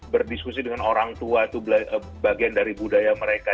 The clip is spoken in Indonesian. berdiskusi dengan orang tua itu bagian dari budaya mereka